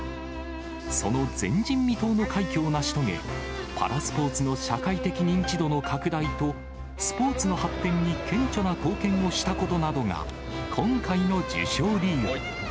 その前人未到の快挙を成し遂げ、パラスポーツの社会的認知度の拡大と、スポーツの発展に顕著な貢献をしたことなどが、今回の受賞理由。